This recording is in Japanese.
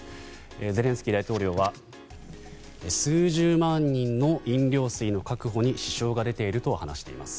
ゼレンスキー大統領は数十万人の飲料水の確保に支障が出ていると話しています。